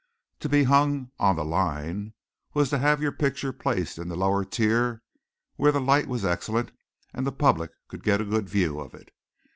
To be hung "on the line" was to have your picture placed in the lower tier where the light was excellent and the public could get a good view of it.